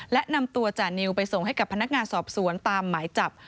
และนำตัวจานิวไปส่งให้กับพนักงานสอบสวนตามหมายจับ